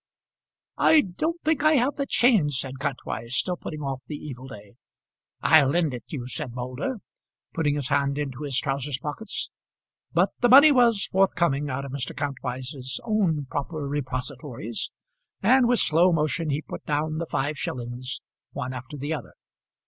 "I don't think I have the change," said Kantwise, still putting off the evil day. "I'll lend, it you," said Moulder, putting his hand into his trousers pockets. But the money was forthcoming out of Mr. Kantwise's own proper repositories, and with slow motion he put down the five shillings one after the other.